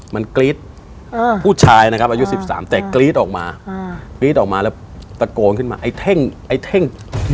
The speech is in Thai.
มันกรี๊ดผู้ชายนะครับอายุ๑๓แต่กรี๊ดออกมากรี๊ดออกมาแล้วตะโกนขึ้นมาไอ้เท่งไอ้เท่ง